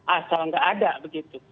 asal nggak ada begitu